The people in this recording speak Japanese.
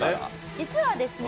実はですね